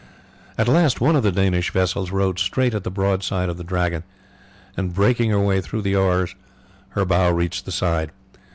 At last one of the Danish vessels rowed straight at the broadside of the Dragon, and breaking her way through the oars her bow reached the side.